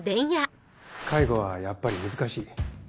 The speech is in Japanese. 介護はやっぱり難しい。